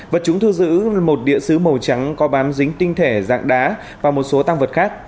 vật chúng thu giữ một địa sứ màu trắng có bám dính tinh thể dạng đá và một số tăng vật khác